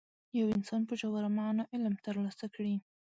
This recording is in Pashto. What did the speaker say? یو انسان په ژوره معنا علم ترلاسه کړي.